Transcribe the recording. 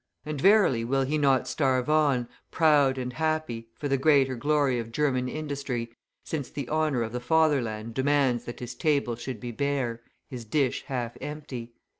And, verily, will he not starve on, proud and happy, for the greater glory of German industry, since the honour of the Fatherland demands that his table should be bare, his dish half empty?